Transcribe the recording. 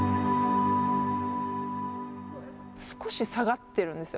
少し下がっているんですよ。